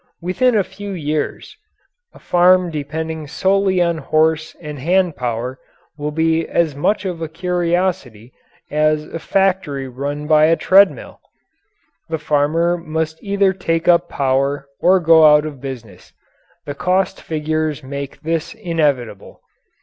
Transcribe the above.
Within a few years a farm depending solely on horse and hand power will be as much of a curiosity as a factory run by a treadmill. The farmer must either take up power or go out of business. The cost figures make this inevitable.